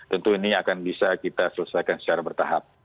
tentu ini akan bisa kita selesaikan secara bertahap